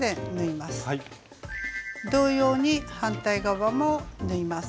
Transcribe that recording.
同様に反対側も縫います。